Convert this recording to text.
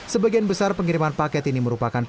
sebagian besar pengiriman paket ini merupakan